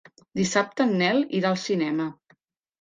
Dissabte en Nel irà al cinema.